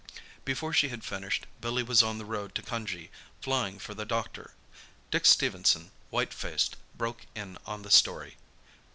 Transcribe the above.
Before she had finished Billy was on the road to Cunjee, flying for the doctor. Dick Stephenson, white faced, broke in on the story.